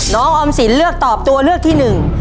ออมสินเลือกตอบตัวเลือกที่หนึ่ง